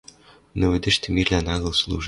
Но вӹдӹштӹ мирлӓн агыл служа